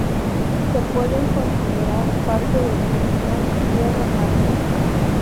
Se pueden considerar parte del cinturón Tierra-Marte.